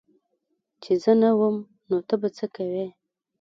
چي زه نه وم نو ته به څه کوي